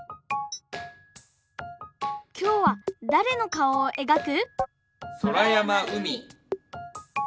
きょうはだれのかおをえがく？